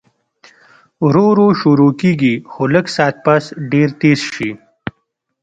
ورو ورو شورو کيږي خو لږ ساعت پس ډېر تېز شي